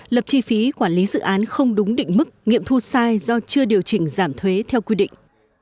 lập chi phí quản lý dự án không đúng định mức nghiệm thu sai do chưa điều chỉnh giảm thuế theo quy định